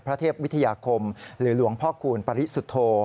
เทพวิทยาคมหรือหลวงพ่อคูณปริสุทธโธ